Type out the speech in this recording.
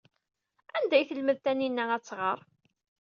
Anda ay telmed Taninna ad tɣer?